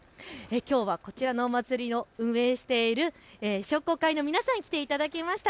きょうはこちらのお祭りを運営している商工会の皆さんに来ていただきました。